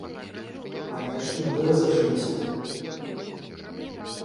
Але ж і мы разышліся.